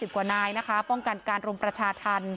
๕๐กว่านายป้องกันการลมประชาธน